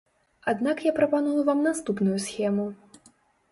Аднак я прапаную вам наступную схему.